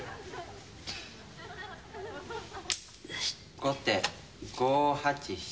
後手５八飛車。